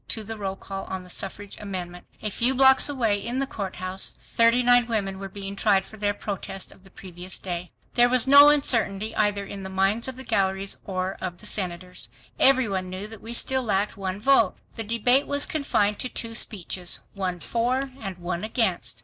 to the roll call on the suffrage amendment. A few blocks away in the courthouse, thirty nine women were being tried for their protest of the previous day. There was no uncertainty either in the minds of the galleries or of the senators. Every one knew that we still lacked one vote. The debate was confined to two speeches, one for and one against.